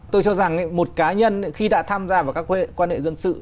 tôi cho rằng một cá nhân khi đã tham gia vào các quan hệ dân sự